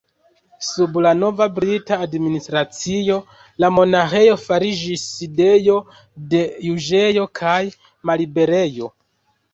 Sub la nova brita administracio la monaĥejo fariĝis sidejo de juĝejo kaj malliberejo.